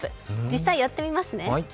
実際やってみますね。